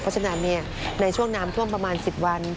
เพราะฉะนั้นในช่วงน้ำท่วมประมาณ๑๐วัน